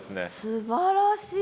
すばらしい。